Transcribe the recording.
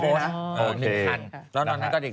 เป็นคันแล้วนอนให้ก็เด็ก